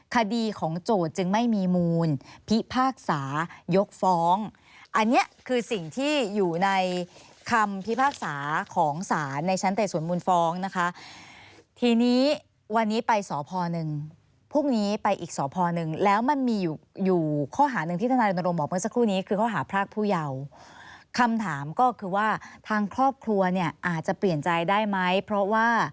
คดีของโจทย์จึงไม่มีมูลพิพากษายกฟ้องอันนี้คือสิ่งที่อยู่ในคำพิพากษาของศาลในชั้นแต่สวนมูลฟ้องนะคะทีนี้วันนี้ไปสพหนึ่งพรุ่งนี้ไปอีกสพนึงแล้วมันมีอยู่อยู่ข้อหาหนึ่งที่ทนายรณรงค์บอกเมื่อสักครู่นี้คือข้อหาพรากผู้เยาว์คำถามก็คือว่าทางครอบครัวเนี่ยอาจจะเปลี่ยนใจได้ไหมเพราะว่า